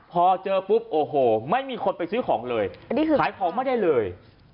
พอเจอปุ๊บโอ้โหไม่มีคนไปซื้อของเลยขายของไม่ได้เลย